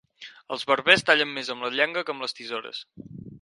Els barbers tallen més amb la llengua que amb les tisores.